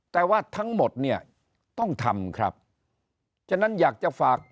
แต่ว่าทั้งหมดเนี่ยต้องทำครับฉะนั้นอยากจะฝาก